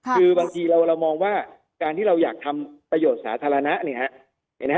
คือบางทีเรามองว่าการที่เราอยากทำประโยชน์สาธารณะ